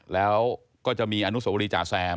แล้วก็จะมีอนุสวรีจาแซม